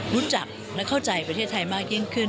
รู้จักและเข้าใจประเทศไทยมากยิ่งขึ้น